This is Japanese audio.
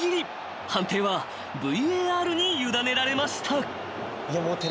［判定はＶＡＲに委ねられました］